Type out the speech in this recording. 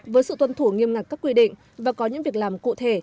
với sự tuân thủ nghiêm ngặt các quy định và có những việc làm cụ thể